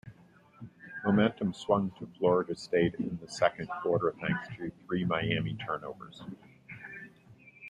Momentum swung to Florida State in the second quarter thanks to three Miami turnovers.